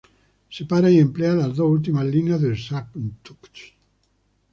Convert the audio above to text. Separa y emplea las dos últimas líneas del Sanctus.